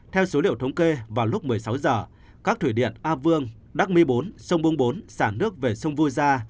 theo số liệu thống kê vào lúc một mươi sáu giờ các thủy điện a vương đắc my bốn sông bông bốn sản nước về sông vua gia